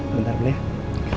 bentar dulu ya